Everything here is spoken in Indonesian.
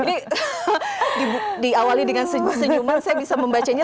ini diawali dengan senyum senyuman saya bisa membacanya